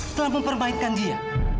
telah mempermainkan dia